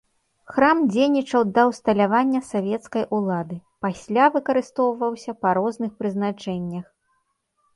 Храм дзейнічаў да ўсталявання савецкай улады, пасля выкарыстоўваўся па розных прызначэннях.